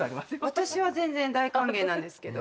私は全然大歓迎なんですけど。